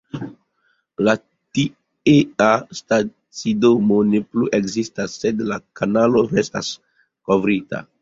La tiea stacidomo ne plu ekzistas, sed la kanalo restas kovrita.